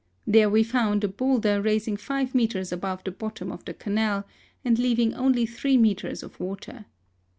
There we found a boulder rising five metres above the bottom of the Canal, and leaving only three metres of water.